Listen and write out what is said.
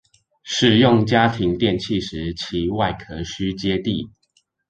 使用家庭電器時其外殼需接地